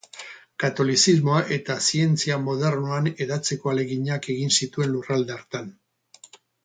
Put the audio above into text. Katolizismoa eta zientzia modernoak hedatzeko ahaleginak egin zituen lurralde hartan.